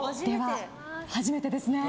初めてですね。